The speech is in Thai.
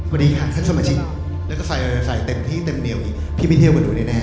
ก็ดีค่ะท่านสมาชิกแล้วก็ใส่เต็มที่เต็มเดียวพี่ไม่เที่ยวกันดูนี่แน่